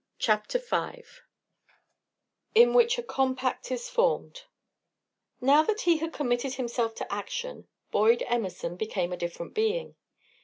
CHAPTER V IN WHICH A COMPACT IS FORMED Now that he had committed himself to action, Boyd Emerson became a different being.